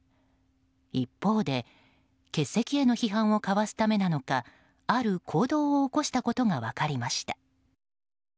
一方で、欠席への批判をかわすためなのかある行動を起こしたことが分かりました。